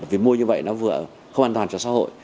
vì mua như vậy nó vừa không an toàn cho xã hội